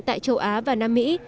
tại châu á và nam mỹ